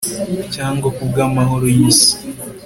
cyangwa kubwamahoro yisi